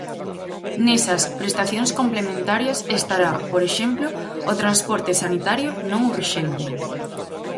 Nesas "prestacións complementarias" estará, por exemplo, o transporte sanitario non urxente.